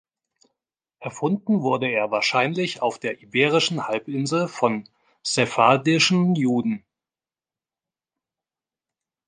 Erfunden wurde er wahrscheinlich auf der Iberischen Halbinsel von sephardischen Juden.